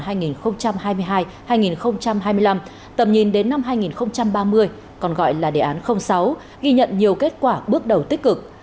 tập nhìn đến năm hai nghìn hai mươi hai hai nghìn hai mươi năm tầm nhìn đến năm hai nghìn ba mươi còn gọi là đề án sáu ghi nhận nhiều kết quả bước đầu tích cực